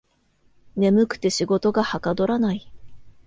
眠くて仕事がはかどらない